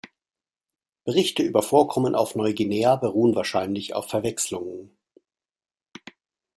Berichte über Vorkommen auf Neuguinea beruhen wahrscheinlich auf Verwechselungen.